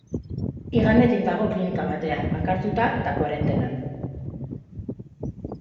Igandetik dago klinika batean, bakartuta eta koarentenan.